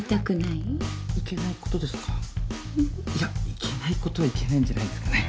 いけないことはいけないんじゃないですかね？